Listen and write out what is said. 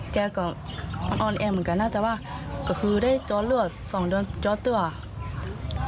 จะกับรอเองมันก็น่าจะว่าก็คือได้จอดเหลือสองเดือน